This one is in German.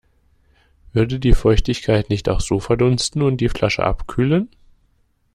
Würde die Feuchtigkeit nicht auch so verdunsten und die Flasche abkühlen?